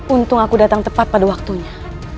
untung aku datang tepat pada waktunya